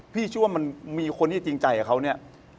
ชื่อว่ามันมีคนที่จริงใจกับเขาเนี่ย